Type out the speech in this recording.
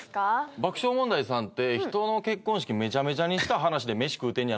爆笑問題さんって人の結婚式めちゃめちゃにした話で飯食うてんね